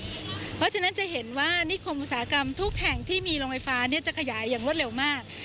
เพราะฉะนั้นจะเห็นว่านิคมอุตสาหกรรมทุกแห่งที่มีโรงไฟฟ้าจะขยายอย่างรวดเร็วมาก